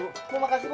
ya terima kasih bu